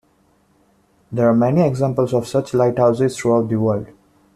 There are many examples of such lighthouses throughout the world.